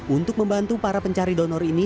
untuk membantu para pencari donor ini